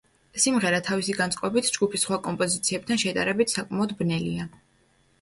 სიმღერა თავისი განწყობით ჯგუფის სხვა კომპოზიციებთან შედარებით საკმაოდ ბნელია.